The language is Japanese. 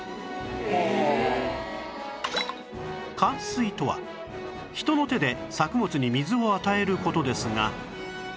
潅水とは人の手で作物に水を与える事ですが